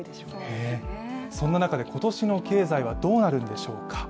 そんな中で今年の経済はどうなるんでしょうか